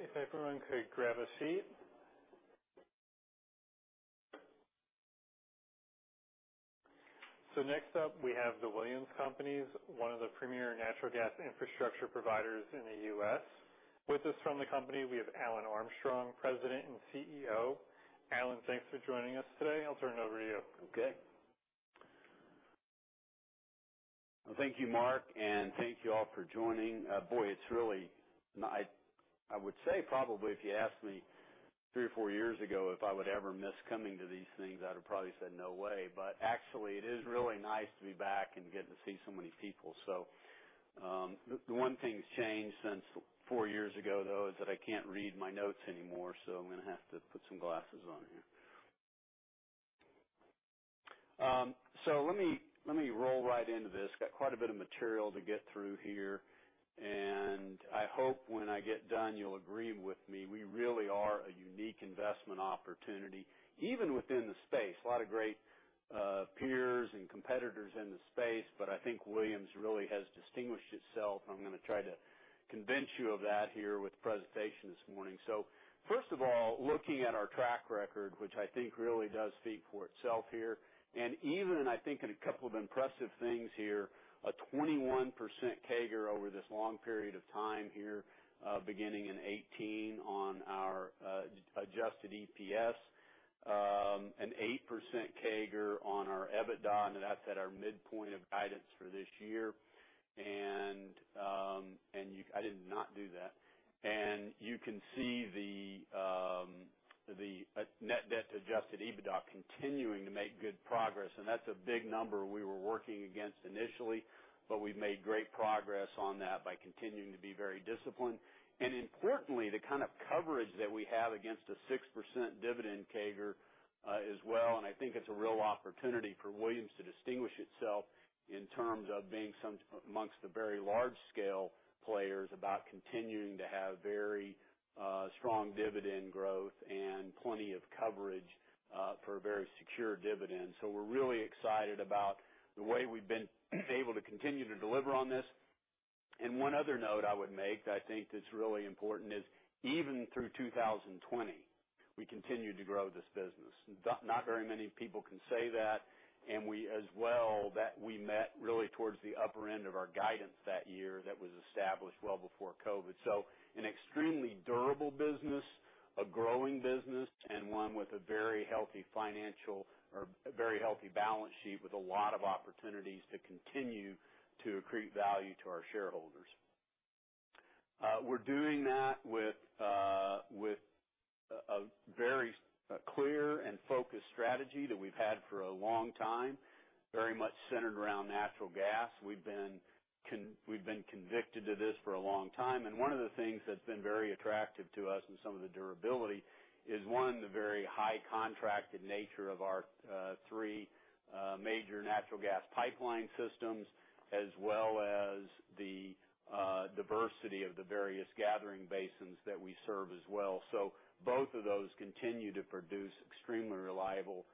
Okay, if everyone could grab a seat. Next up, we have The Williams Companies, one of the premier natural gas infrastructure providers in the U.S. With us from the company, we have Alan Armstrong, President and CEO. Alan, thanks for joining us today. I'll turn it over to you. Okay. Well, thank you, Mark, and thank you all for joining. Boy, it's really. I would say probably if you asked me three or four years ago if I would ever miss coming to these things, I'd have probably said, "No way." Actually, it is really nice to be back and get to see so many people. The one thing that's changed since four years ago, though, is that I can't read my notes anymore, so I'm gonna have to put some glasses on here. Let me roll right into this. Got quite a bit of material to get through here, and I hope when I get done, you'll agree with me. We really are a unique investment opportunity, even within the space. A lot of great peers and competitors in the space, but I think Williams really has distinguished itself, and I'm gonna try to convince you of that here with the presentation this morning. First of all, looking at our track record, which I think really does speak for itself here, and even I think in a couple of impressive things here, a 21% CAGR over this long period of time here, beginning in 2018 on our adjusted EPS. An 8% CAGR on our EBITDA, and that's at our midpoint of guidance for this year. You can see the net debt to adjusted EBITDA continuing to make good progress, and that's a big number we were working against initially. We've made great progress on that by continuing to be very disciplined. Importantly, the kind of coverage that we have against a 6% dividend CAGR, as well, and I think it's a real opportunity for Williams to distinguish itself in terms of being amongst the very large scale players about continuing to have very, strong dividend growth and plenty of coverage, for a very secure dividend. We're really excited about the way we've been able to continue to deliver on this. One other note I would make that I think that's really important is even through 2020, we continued to grow this business. Not very many people can say that, and we as well, that we met really towards the upper end of our guidance that year that was established well before COVID. An extremely durable business, a growing business, and one with a very healthy balance sheet with a lot of opportunities to continue to accrete value to our shareholders. We're doing that with a very clear and focused strategy that we've had for a long time, very much centered around natural gas. We've been convicted to this for a long time. One of the things that's been very attractive to us and some of the durability is, one, the very high contracted nature of our three major natural gas pipeline systems, as well as the diversity of the various gathering basins that we serve as well. Both of those continue to produce extremely reliable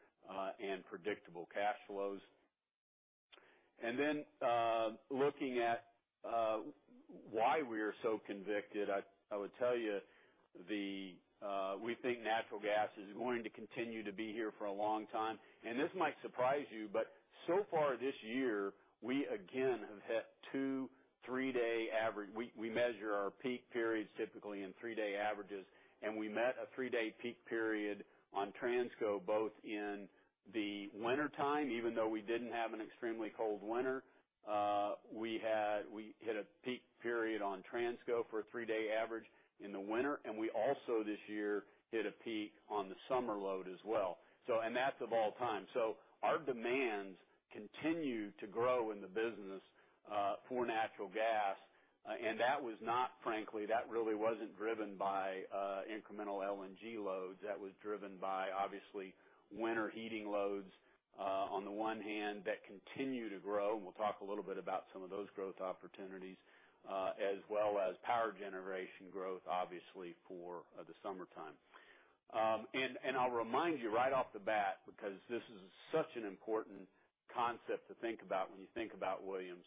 and predictable cash flows. Looking at why we are so convicted, I would tell you we think natural gas is going to continue to be here for a long time. This might surprise you, but so far this year, we again have hit two three-day average. We measure our peak periods typically in three-day averages, and we met a three-day peak period on Transco both in the wintertime, even though we didn't have an extremely cold winter. We hit a peak period on Transco for a three-day average in the winter, and we also this year hit a peak on the summer load as well. That's of all time. Our demands continue to grow in the business for natural gas, and that really wasn't driven by incremental LNG loads. That was driven by, obviously, winter heating loads, on the one hand, that continue to grow. We'll talk a little bit about some of those growth opportunities, as well as power generation growth, obviously, for the summertime. I'll remind you right off the bat, because this is such an important concept to think about when you think about Williams.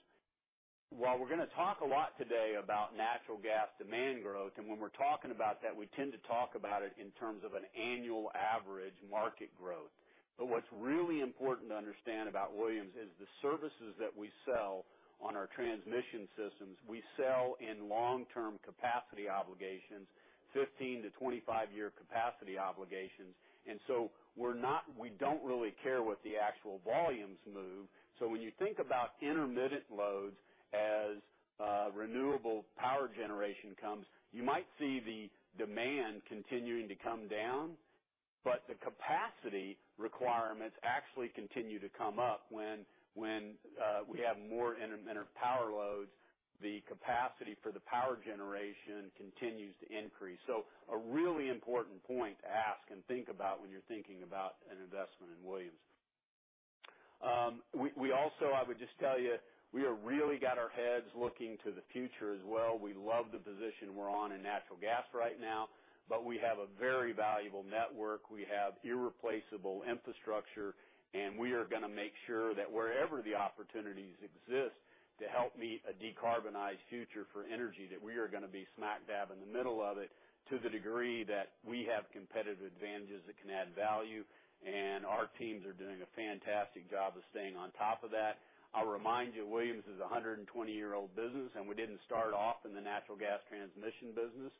While we're gonna talk a lot today about natural gas demand growth, and when we're talking about that, we tend to talk about it in terms of an annual average market growth. What's really important to understand about Williams is the services that we sell on our transmission systems. We sell in long-term capacity obligations, 15-25 year capacity obligations. We don't really care what the actual volumes move. When you think about intermittent loads as renewable power generation comes, you might see the demand continuing to come down, but the capacity requirements actually continue to come up. When we have more intermittent power loads, the capacity for the power generation continues to increase. A really important point to ask and think about when you're thinking about an investment in Williams. We also, I would just tell you, we have really got our heads looking to the future as well. We love the position we're on in natural gas right now. We have a very valuable network. We have irreplaceable infrastructure, and we are gonna make sure that wherever the opportunities exist to help meet a decarbonized future for energy, that we are gonna be smack dab in the middle of it to the degree that we have competitive advantages that can add value, and our teams are doing a fantastic job of staying on top of that. I'll remind you, Williams is a 120-year-old business, and we didn't start off in the natural gas transmission business.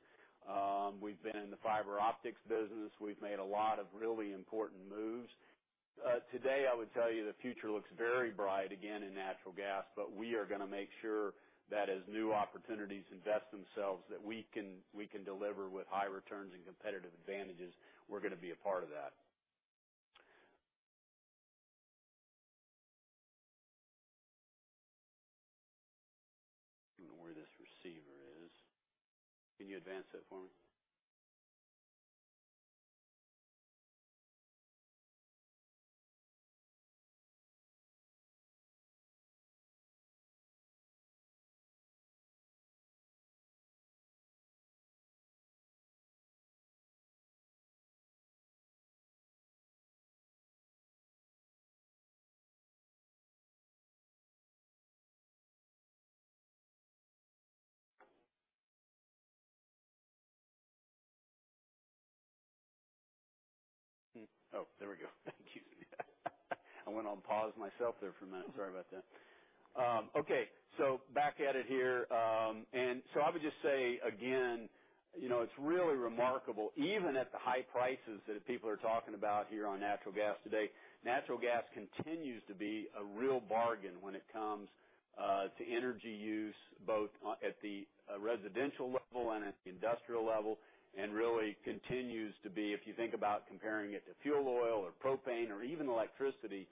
We've been in the fiber optics business. We've made a lot of really important moves. Today, I would tell you the future looks very bright again in natural gas, but we are gonna make sure that as new opportunities invest themselves, that we can deliver with high returns and competitive advantages. We're gonna be a part of that. I don't know where this receiver is. Can you advance that for me? There we go. Thank you. I went on pause myself there for a minute. Sorry about that. Okay, back at it here. I would just say again, you know, it's really remarkable, even at the high prices that people are talking about here on natural gas today, natural gas continues to be a real bargain when it comes to energy use, both at the residential level and at the industrial level, and really continues to be, if you think about comparing it to fuel oil or propane or even electricity,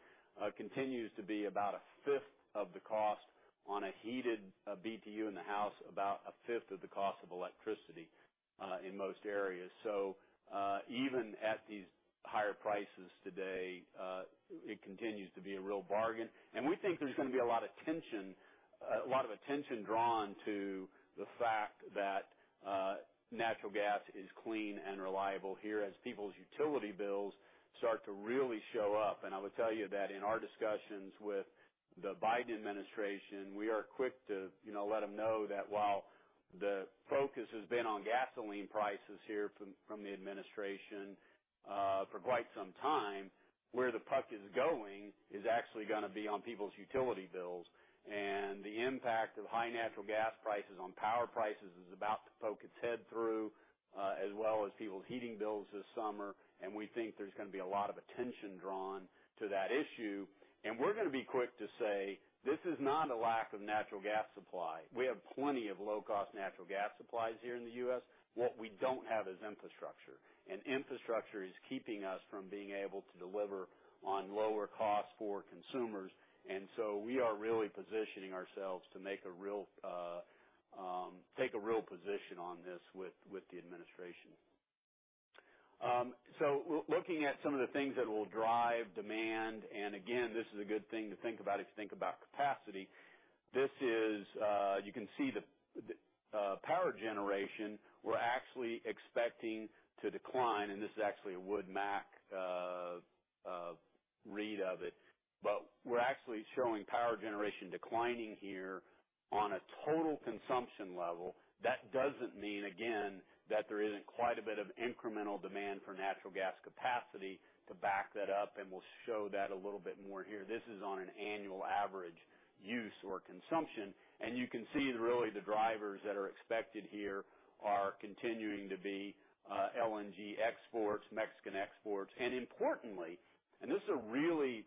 continues to be about a fifth of the cost on a heated BTU in the house, about a fifth of the cost of electricity in most areas. Even at these higher prices today, it continues to be a real bargain. We think there's gonna be a lot of attention drawn to the fact that natural gas is clean and reliable here as people's utility bills start to really show up. I will tell you that in our discussions with the Biden administration, we are quick to, you know, let them know that while the focus has been on gasoline prices here from the administration for quite some time, where the puck is going is actually gonna be on people's utility bills. The impact of high natural gas prices on power prices is about to poke its head through as well as people's heating bills this summer, and we think there's gonna be a lot of attention drawn to that issue. We're gonna be quick to say, this is not a lack of natural gas supply. We have plenty of low-cost natural gas supplies here in the U.S. What we don't have is infrastructure, and infrastructure is keeping us from being able to deliver on lower costs for consumers. We are really positioning ourselves to take a real position on this with the administration. Looking at some of the things that will drive demand, and again, this is a good thing to think about if you think about capacity. This is, you can see the power generation, we're actually expecting to decline, and this is actually a WoodMac read of it. We're actually showing power generation declining here on a total consumption level. That doesn't mean, again, that there isn't quite a bit of incremental demand for natural gas capacity to back that up, and we'll show that a little bit more here. This is on an annual average use or consumption. You can see really the drivers that are expected here are continuing to be LNG exports, Mexican exports. Importantly, this is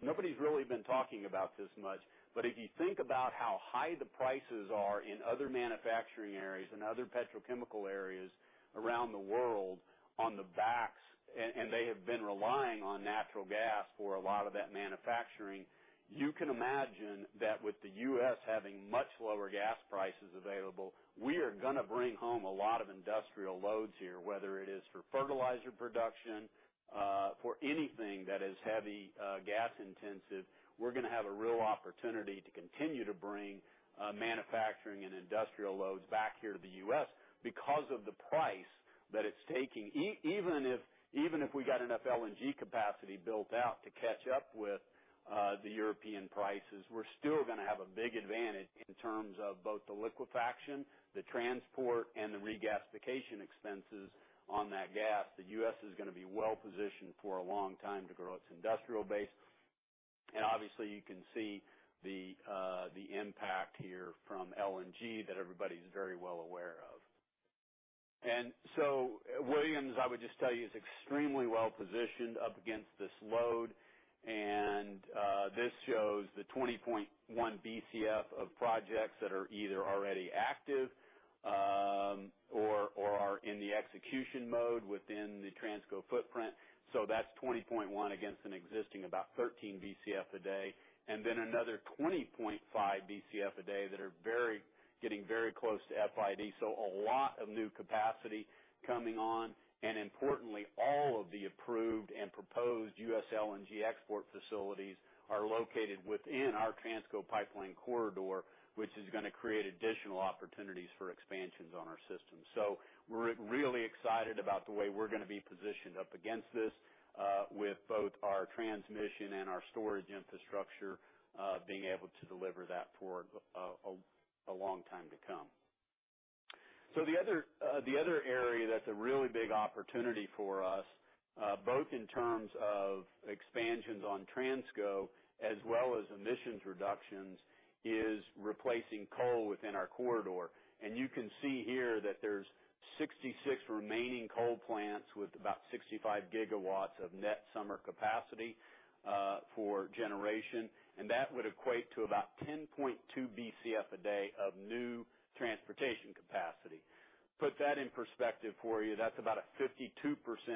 nobody's really been talking about this much, but if you think about how high the prices are in other manufacturing areas and other petrochemical areas around the world on the backs, they have been relying on natural gas for a lot of that manufacturing, you can imagine that with the U.S. Having much lower gas prices available, we are gonna bring home a lot of industrial loads here, whether it is for fertilizer production, for anything that is heavy, gas intensive, we're gonna have a real opportunity to continue to bring manufacturing and industrial loads back here to the U.S. because of the price that it's taking. Even if we got enough LNG capacity built out to catch up with the European prices, we're still gonna have a big advantage in terms of both the liquefaction, the transport, and the regasification expenses on that gas. The U.S. is gonna be well-positioned for a long time to grow its industrial base. Obviously, you can see the impact here from LNG that everybody's very well aware of. Williams, I would just tell you, is extremely well-positioned up against this load. This shows the 20.1 BCF of projects that are either already active or are in the execution mode within the Transco footprint. That's 20.1 against an existing about 13 BCF a day, and then another 20.5 BCF a day that are getting very close to FID. A lot of new capacity coming on. Importantly, all of the approved and proposed U.S. LNG export facilities are located within our Transco pipeline corridor, which is gonna create additional opportunities for expansions on our system. We're really excited about the way we're gonna be positioned up against this, with both our transmission and our storage infrastructure, being able to deliver that for a long time to come. The other area that's a really big opportunity for us, both in terms of expansions on Transco as well as emissions reductions, is replacing coal within our corridor. You can see here that there's 66 remaining coal plants with about 65 gigawatts of net summer capacity for generation. That would equate to about 10.2 Bcf a day of new transportation capacity. Put that in perspective for you, that's about a 52%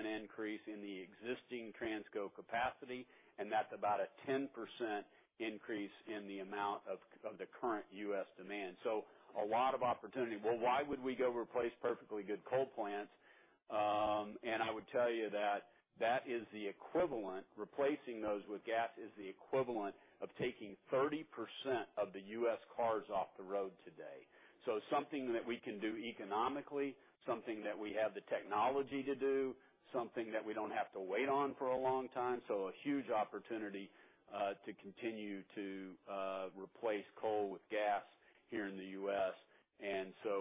increase in the existing Transco capacity, and that's about a 10% increase in the amount of the current U.S. demand. A lot of opportunity. Well, why would we go replace perfectly good coal plants? I would tell you that is the equivalent, replacing those with gas is the equivalent of taking 30% of the U.S. cars off the road today. Something that we can do economically, something that we have the technology to do, something that we don't have to wait on for a long time, a huge opportunity to continue to replace coal with gas here in the U.S.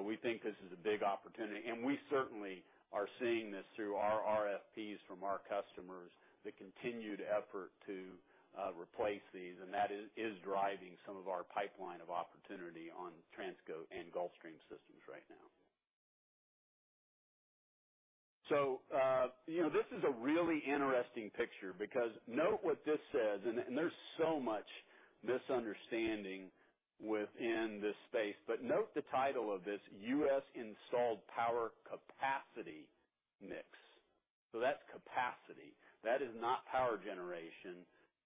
We think this is a big opportunity, and we certainly are seeing this through our RFPs from our customers, the continued effort to replace these. That is driving some of our pipeline of opportunity on Transco and Gulfstream systems right now. You know, this is a really interesting picture because note what this says, and there's so much misunderstanding within this space. Note the title of this, U.S. Installed Power Capacity Mix. That's capacity. That is not power generation,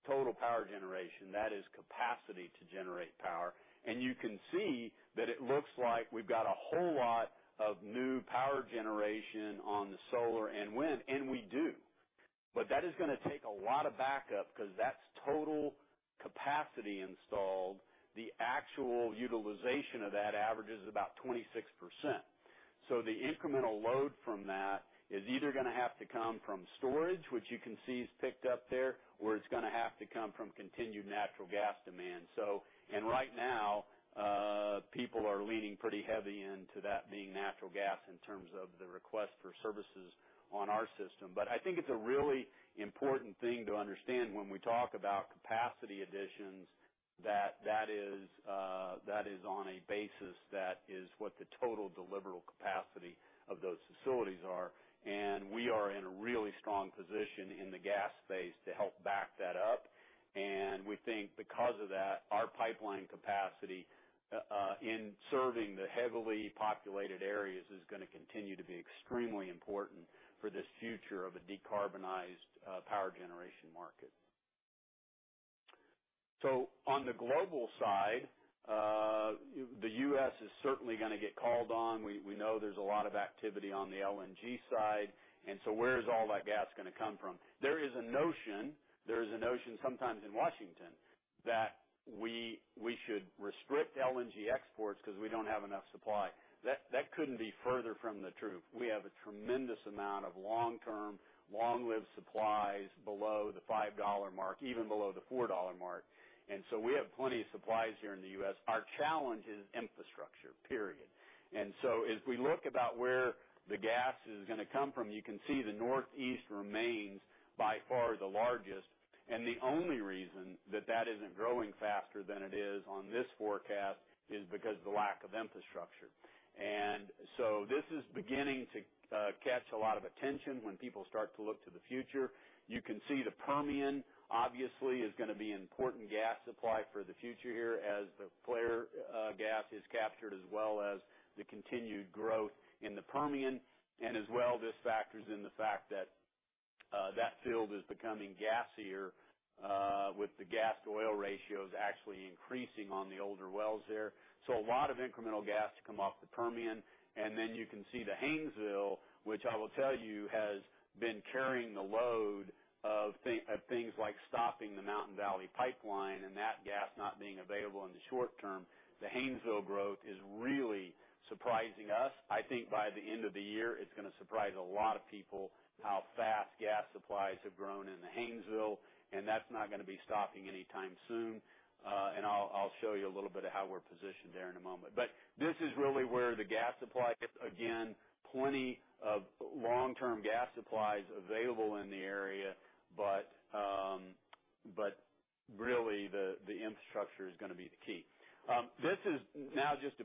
total power generation. That is capacity to generate power. You can see that it looks like we've got a whole lot of new power generation on the solar and wind, and we do. That is gonna take a lot of backup because that's total capacity installed. The actual utilization of that averages about 26%. The incremental load from that is either gonna have to come from storage, which you can see is picked up there, or it's gonna have to come from continued natural gas demand. Right now, people are leaning pretty heavy into that being natural gas in terms of the request for services on our system. I think it's a really important thing to understand when we talk about capacity additions, that that is on a basis that is what the total deliverable capacity of those facilities are. We are in a really strong position in the gas space to help back that up. We think because of that, our pipeline capacity in serving the heavily populated areas is gonna continue to be extremely important for this future of a decarbonized power generation market. On the global side, the U.S. is certainly gonna get called on. We know there's a lot of activity on the LNG side, and so where is all that gas gonna come from? There is a notion sometimes in Washington that we should restrict LNG exports because we don't have enough supply. That couldn't be further from the truth. We have a tremendous amount of long-term, long-lived supplies below the $5 mark, even below the $4 mark. We have plenty of supplies here in the U.S. Our challenge is infrastructure, period. As we look about where the gas is gonna come from, you can see the Northeast remains by far the largest. The only reason that isn't growing faster than it is on this forecast is because of the lack of infrastructure. This is beginning to catch a lot of attention when people start to look to the future. You can see the Permian obviously is gonna be an important gas supply for the future here as the flare gas is captured as well as the continued growth in the Permian. As well, this factors in the fact that that field is becoming gassier with the gas-to-oil ratios actually increasing on the older wells there. A lot of incremental gas to come off the Permian. Then you can see the Haynesville, which I will tell you has been carrying the load of things like stopping the Mountain Valley Pipeline and that gas not being available in the short term. The Haynesville growth is really surprising us. I think by the end of the year, it's gonna surprise a lot of people how fast gas supplies have grown in the Haynesville, and that's not gonna be stopping anytime soon. I'll show you a little bit of how we're positioned there in a moment. This is really where the gas supply is. Again, plenty of long-term gas supplies available in the area, but really the infrastructure is gonna be the key. This is now just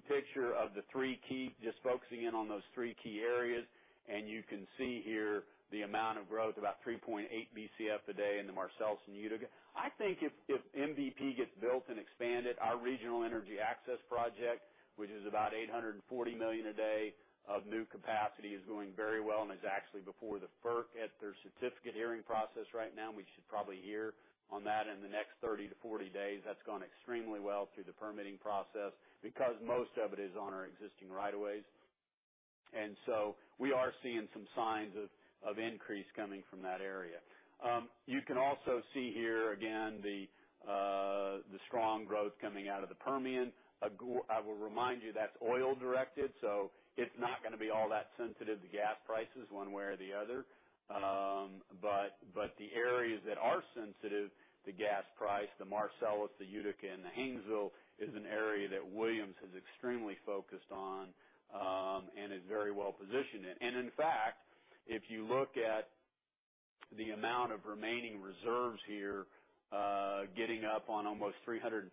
focusing in on those three key areas. You can see here the amount of growth, about 3.8 BCF a day in the Marcellus and Utica. I think if MVP gets built and expanded, our Regional Energy Access project, which is about 840 million a day of new capacity, is going very well and is actually before the FERC at their certificate hearing process right now. We should probably hear on that in the next 30-40 days. That's gone extremely well through the permitting process because most of it is on our existing rights of way. We are seeing some signs of increase coming from that area. You can also see here again the strong growth coming out of the Permian. I will remind you that's oil directed, so it's not gonna be all that sensitive to gas prices one way or the other. But the areas that are sensitive to gas price, the Marcellus, the Utica, and the Haynesville is an area that Williams has extremely focused on, and is very well positioned in. In fact, if you look at the amount of remaining reserves here, getting up on almost 350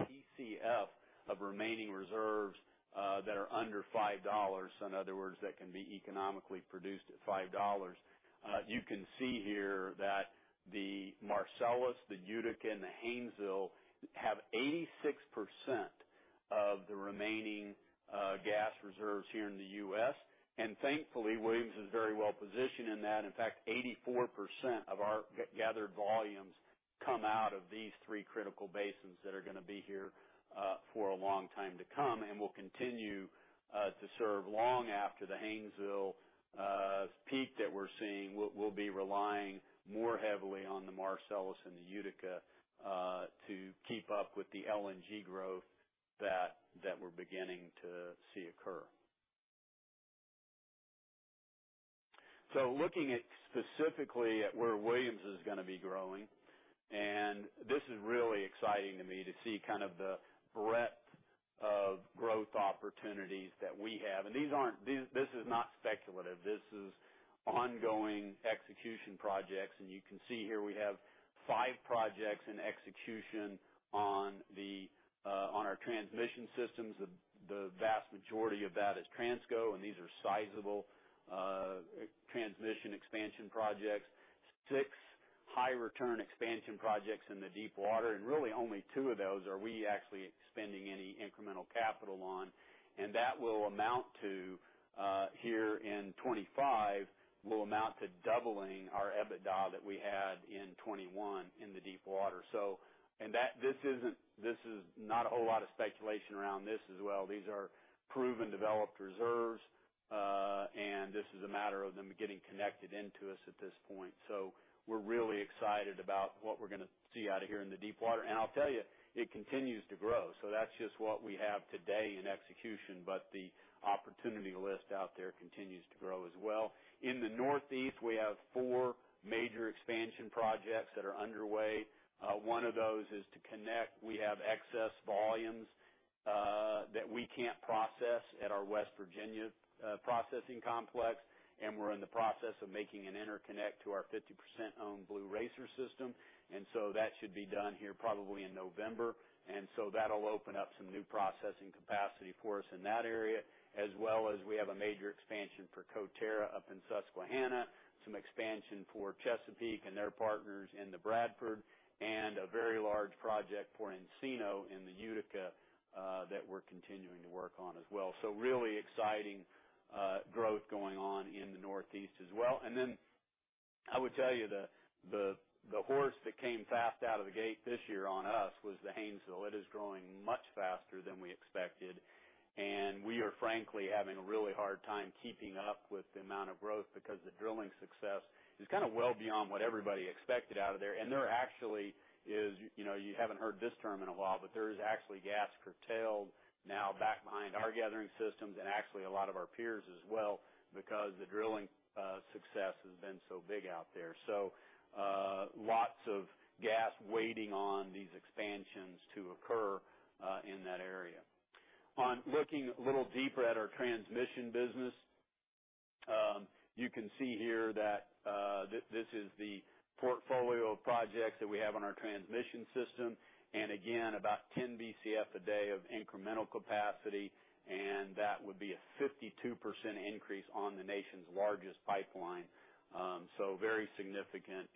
Tcf of remaining reserves, that are under $5. In other words, that can be economically produced at $5. You can see here that the Marcellus, the Utica, and the Haynesville have 86% of the remaining gas reserves here in the U.S. Thankfully, Williams is very well-positioned in that. In fact, 84% of our gathered volumes come out of these three critical basins that are gonna be here for a long time to come, and will continue to serve long after the Haynesville peak that we're seeing. We'll be relying more heavily on the Marcellus and the Utica to keep up with the LNG growth that we're beginning to see occur. Looking at specifically at where Williams is gonna be growing, and this is really exciting to me to see kind of the breadth of growth opportunities that we have. These aren't. This is not speculative. This is ongoing execution projects. You can see here we have five projects in execution on our transmission systems. The vast majority of that is Transco, and these are sizable transmission expansion projects. Six high return expansion projects in the Deepwater, and really only two of those are we actually spending any incremental capital on. That will amount to here in 2025 doubling our EBITDA that we had in 2021 in the Deepwater. This isn't a whole lot of speculation around this as well. These are proven, developed reserves, and this is a matter of them getting connected into us at this point. We're really excited about what we're gonna see out of here in the Deepwater. I'll tell you, it continues to grow. That's just what we have today in execution, but the opportunity list out there continues to grow as well. In the Northeast, we have four major expansion projects that are underway. One of those is to connect. We have excess volumes that we can't process at our West Virginia processing complex, and we're in the process of making an interconnect to our 50% owned Blue Racer system. That'll open up some new processing capacity for us in that area, as well as we have a major expansion for Coterra up in Susquehanna, some expansion for Chesapeake and their partners in the Bradford, and a very large project for Encino in the Utica that we're continuing to work on as well. Really exciting growth going on in the Northeast as well. I would tell you the horse that came fast out of the gate this year on us was the Haynesville. It is growing much faster than we expected, and we are frankly having a really hard time keeping up with the amount of growth because the drilling success is kind of well beyond what everybody expected out of there. There actually is, you know, you haven't heard this term in a while, but there is actually gas curtailed now back behind our gathering systems and actually a lot of our peers as well, because the drilling success has been so big out there. Lots of gas waiting on these expansions to occur in that area. On looking a little deeper at our transmission business, you can see here that this is the portfolio of projects that we have on our transmission system, and again, about 10 Bcf/d of incremental capacity, and that would be a 52% increase on the nation's largest pipeline. Very significant.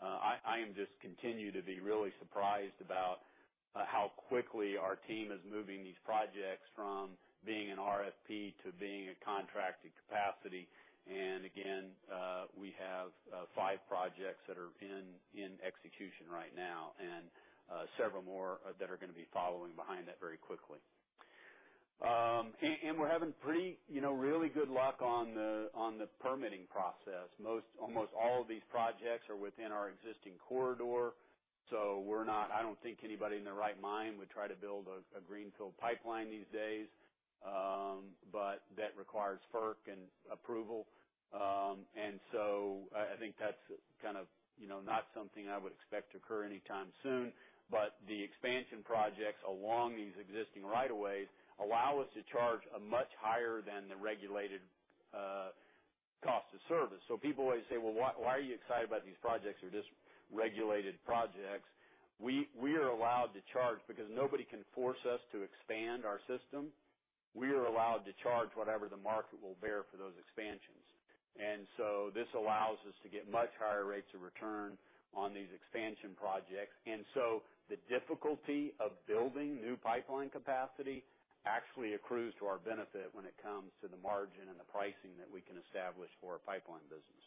I am just continuing to be really surprised about how quickly our team is moving these projects from being an RFP to being a contracted capacity. Again, we have 5 projects that are in execution right now and several more that are gonna be following behind that very quickly. We're having pretty, you know, really good luck on the permitting process. Almost all of these projects are within our existing corridor, so I don't think anybody in their right mind would try to build a greenfield pipeline these days. But that requires FERC and approval. I think that's kind of, you know, not something I would expect to occur anytime soon. The expansion projects along these existing right of ways allow us to charge a much higher than the regulated cost of service. People always say, "Well, why are you excited about these projects? They're just regulated projects." We are allowed to charge because nobody can force us to expand our system. We are allowed to charge whatever the market will bear for those expansions. This allows us to get much higher rates of return on these expansion projects. The difficulty of building new pipeline capacity actually accrues to our benefit when it comes to the margin and the pricing that we can establish for our pipeline business.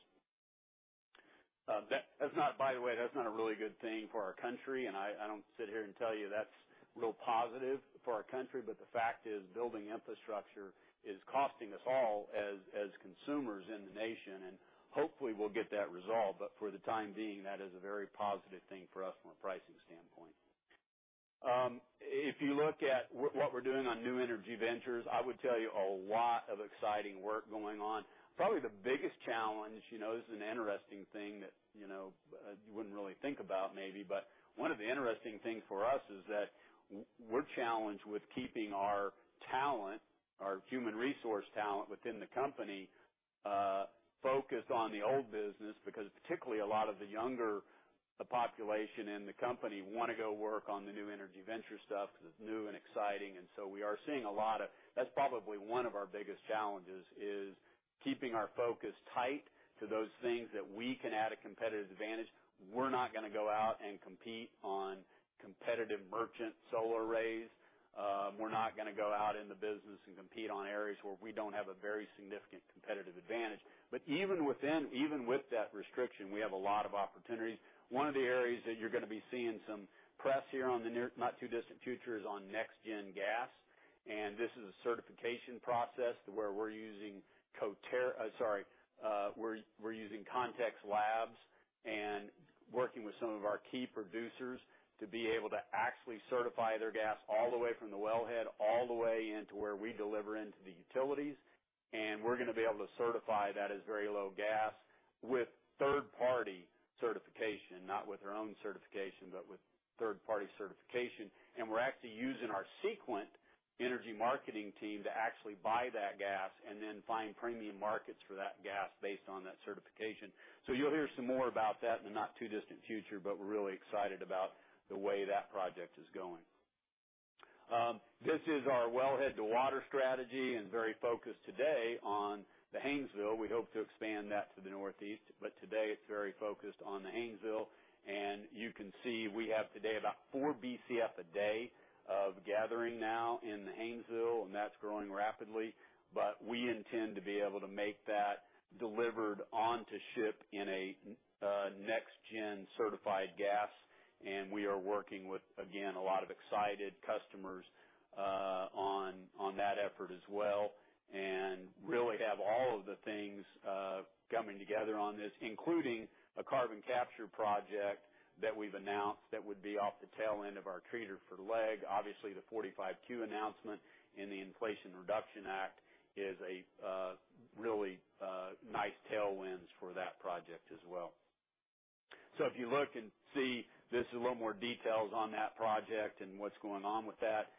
That's not, by the way, that's not a really good thing for our country. I don't sit here and tell you that's real positive for our country, but the fact is, building infrastructure is costing us all as consumers in the nation. Hopefully we'll get that resolved, but for the time being, that is a very positive thing for us from a pricing standpoint. If you look at what we're doing on New Energy Ventures, I would tell you a lot of exciting work going on. Probably the biggest challenge, you know, this is an interesting thing. You know, you wouldn't really think about maybe, but one of the interesting things for us is that we're challenged with keeping our talent, our human resource talent within the company focused on the old business, because particularly a lot of the younger population in the company wanna go work on the new energy venture stuff because it's new and exciting. That's probably one of our biggest challenges, is keeping our focus tight to those things that we can add a competitive advantage. We're not gonna go out and compete on competitive merchant solar arrays. We're not gonna go out in the business and compete on areas where we don't have a very significant competitive advantage. Even with that restriction, we have a lot of opportunities. One of the areas that you're gonna be seeing some press here in the near, not too distant future is on NextGen Gas. This is a certification process to where we're using Context Labs and working with some of our key producers to be able to actually certify their gas all the way from the wellhead all the way into where we deliver into the utilities. We're gonna be able to certify that as very low gas with third-party certification, not with our own certification, but with third-party certification. We're actually using our Sequent Energy marketing team to actually buy that gas and then find premium markets for that gas based on that certification. You'll hear some more about that in the not too distant future, but we're really excited about the way that project is going. This is our Wellhead to Water strategy, and very focused today on the Haynesville. We hope to expand that to the Northeast, but today it's very focused on the Haynesville. You can see we have today about 4 Bcf a day of gathering now in the Haynesville, and that's growing rapidly. We intend to be able to make that delivered onto ship in a next gen certified gas. We are working with, again, a lot of excited customers on that effort as well. Really have all of the things coming together on this, including a carbon capture project that we've announced that would be off the tail end of our treater for LEG. Obviously, the 45Q announcement and the Inflation Reduction Act is a really nice tailwinds for that project as well. If you look and see, this is a little more details on that project and what's going on with that.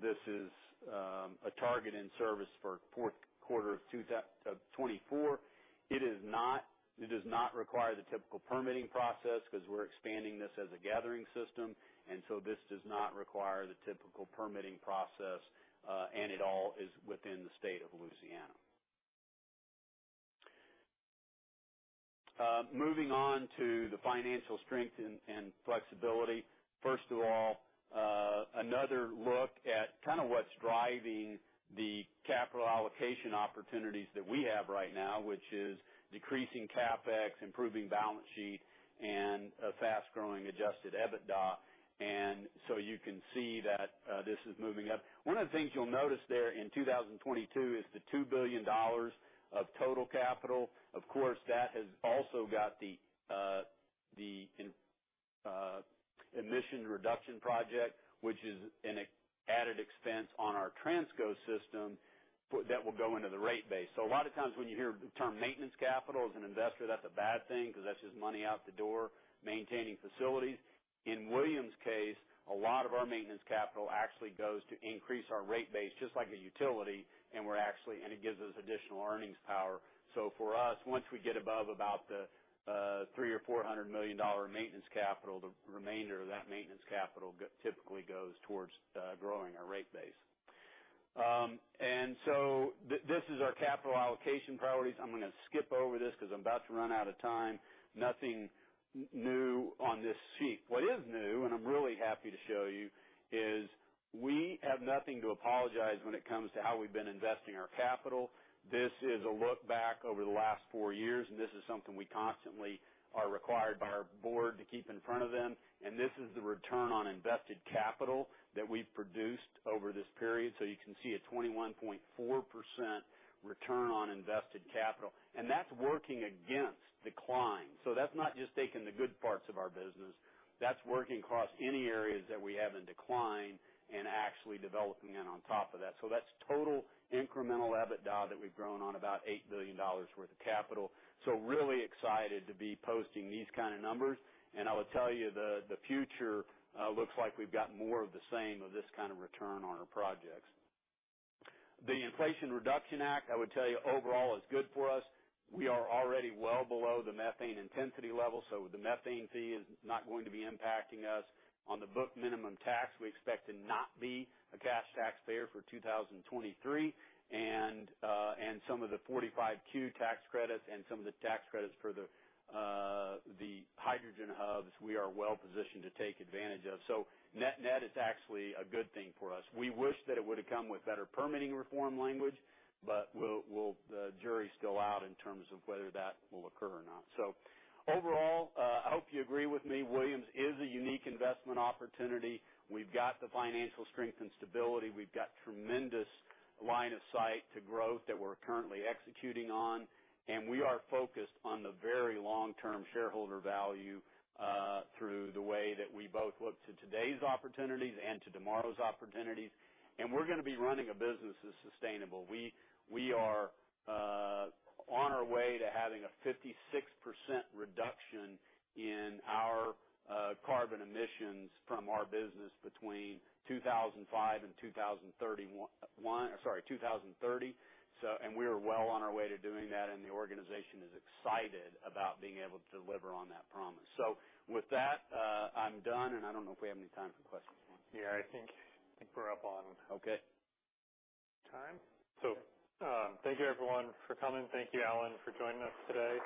This is a target in service for Q4 of 2024. It does not require the typical permitting process 'cause we're expanding this as a gathering system, and so this does not require the typical permitting process, and it all is within the state of Louisiana. Moving on to the financial strength and flexibility. First of all, another look at kinda what's driving the capital allocation opportunities that we have right now, which is decreasing CapEx, improving balance sheet, and a fast-growing adjusted EBITDA. You can see that this is moving up. One of the things you'll notice there in 2022 is the $2 billion of total capital. Of course, that has also got the emission reduction project, which is an added expense on our Transco system that will go into the rate base. A lot of times when you hear the term maintenance capital as an investor, that's a bad thing because that's just money out the door maintaining facilities. In Williams' case, a lot of our maintenance capital actually goes to increase our rate base, just like a utility, and it gives us additional earnings power. For us, once we get above about the $300-$400 million maintenance capital, the remainder of that maintenance capital typically goes towards growing our rate base. This is our capital allocation priorities. I'm gonna skip over this 'cause I'm about to run out of time. Nothing new on this sheet. What is new, and I'm really happy to show you, is we have nothing to apologize for when it comes to how we've been investing our capital. This is a look back over the last four years, and this is something we constantly are required by our board to keep in front of them. This is the return on invested capital that we've produced over this period. You can see a 21.4% return on invested capital. That's working against decline. That's not just taking the good parts of our business. That's working across any areas that we have in decline and actually developing in on top of that. That's total incremental EBITDA that we've grown on about $8 billion worth of capital. Really excited to be posting these kinda numbers. I will tell you, the future looks like we've got more of the same of this kind of return on our projects. The Inflation Reduction Act, I would tell you, overall is good for us. We are already well below the methane intensity level, so the methane fee is not going to be impacting us. On the book minimum tax, we expect to not be a cash taxpayer for 2023. Some of the 45Q tax credits and some of the tax credits for the hydrogen hubs, we are well positioned to take advantage of. Net net is actually a good thing for us. We wish that it would have come with better permitting reform language, but we'll. The jury's still out in terms of whether that will occur or not. Overall, I hope you agree with me, Williams is a unique investment opportunity. We've got the financial strength and stability, we've got tremendous line of sight to growth that we're currently executing on, and we are focused on the very long-term shareholder value through the way that we both look to today's opportunities and to tomorrow's opportunities. We're gonna be running a business that's sustainable. We are on our way to having a 56% reduction in our carbon emissions from our business between 2005 and 2031. Sorry, 2030. We are well on our way to doing that, and the organization is excited about being able to deliver on that promise. With that, I'm done, and I don't know if we have any time for questions, Mark. Yeah, I think we're up on. Okay... time. Thank you everyone for coming. Thank you, Alan, for joining us today.